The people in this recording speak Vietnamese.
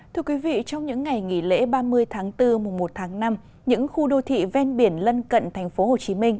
thưa quý vị trong những ngày nghỉ lễ ba mươi tháng bốn mùa một tháng năm những khu đô thị ven biển lân cận thành phố hồ chí minh